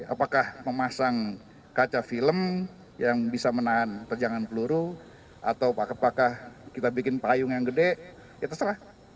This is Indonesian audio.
apakah memasang kaca film yang bisa menahan terjangan peluru atau apakah kita bikin payung yang gede ya terserah